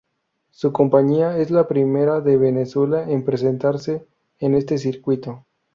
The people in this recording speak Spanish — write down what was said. Su compañía es la primera de Venezuela en presentarse en este circuito.